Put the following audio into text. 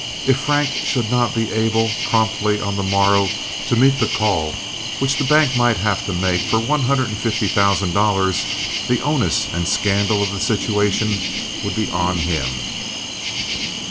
If Frank should not be able promptly on the morrow to meet the call which the bank might have to make for one hundred and fifty thousand dollars, the onus and scandal of the situation would be on him.